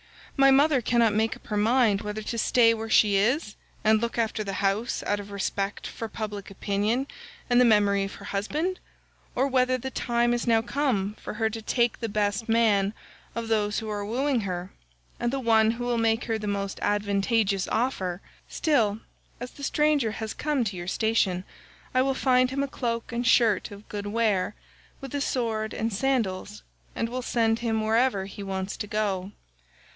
My mother cannot make up her mind whether to stay where she is and look after the house out of respect for public opinion and the memory of her husband, or whether the time is now come for her to take the best man of those who are wooing her, and the one who will make her the most advantageous offer; still, as the stranger has come to your station I will find him a cloak and shirt of good wear, with a sword and sandals, and will send him wherever he wants to go.